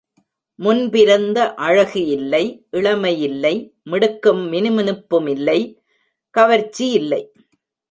முன்பிருந்த அழகு இல்லை, இளமை இல்லை, மிடுக்கும் மினுமினுப்புமிமில்லை, கவர்ச்சி இல்லை.